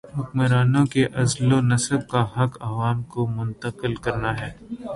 حکمرانوں کے عزل و نصب کا حق عوام کو منتقل کرنا ہے۔